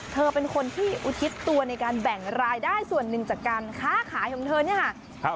เธอเป็นคนที่อุทิศตัวในการแบ่งรายได้ส่วนหนึ่งจากการค้าขายของเธอเนี่ยค่ะ